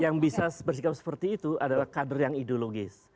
yang bisa bersikap seperti itu adalah kader yang ideologis